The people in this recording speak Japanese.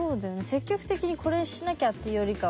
積極的にこれしなきゃっていうよりかは。